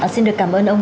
xin được cảm ơn ông